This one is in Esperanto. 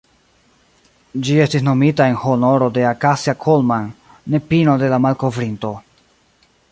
Ĝi estis nomita en honoro de "Acacia Coleman", nepino de la malkovrinto.